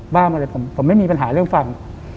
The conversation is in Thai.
มาเลยผมไม่มีปัญหาเรื่องฟัง